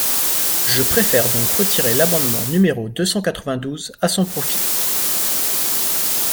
Je préfère donc retirer l’amendement numéro deux cent quatre-vingt-douze à son profit.